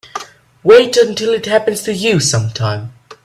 Wait until it happens to you sometime.